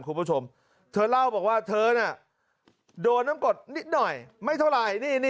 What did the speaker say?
คุณผู้ชมเธอเล่าบอกว่าเธอน่ะโดนน้ำกดนิดหน่อยไม่เท่าไหร่